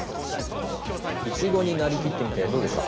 イチゴになりきってみてどうでした？